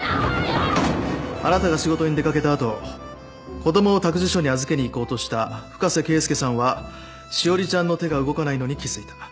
あなたが仕事に出掛けた後子供を託児所に預けに行こうとした深瀬啓介さんは詩織ちゃんの手が動かないのに気付いた。